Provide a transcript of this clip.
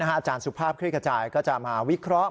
อาจารย์สุภาพคลิกกระจายก็จะมาวิเคราะห์